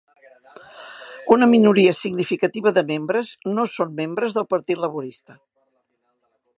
Una minoria significativa de membres no són membres del Partit Laborista.